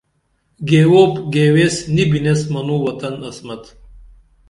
گیوپ گیویس نی بِنیس منوں وطن عصمت